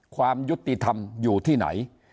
ความยุติธรรมอยู่ที่ไหน